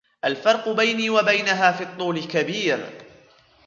الفرق بيني و بينها في الطول كبير.